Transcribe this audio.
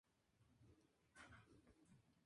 Este episodio marca las primeras apariciones de Sgto.